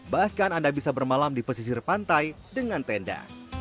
bahkan anda bisa bermalam di pesisir pantai dengan tenda